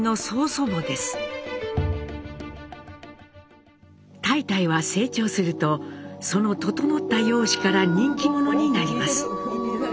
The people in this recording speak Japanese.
岱岱は成長するとその整った容姿から人気者になります。